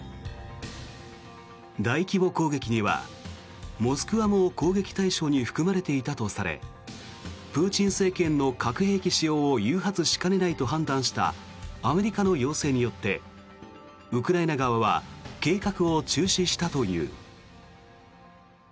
大規模攻撃にはモスクワも攻撃対象に含まれていたとされプーチン政権の核兵器使用を誘発しかねないと判断したアメリカの要請によってウクライナ側は計画を中止したという。